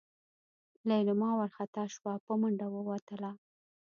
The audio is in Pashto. لېلما وارخطا شوه په منډه ووتله.